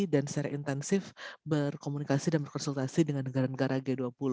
dan secara intensif berkomunikasi dan berkonsultasi dengan negara negara g dua puluh